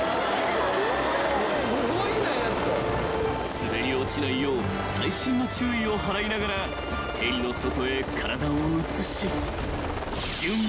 ［滑り落ちないよう細心の注意を払いながらヘリの外へ体を移し］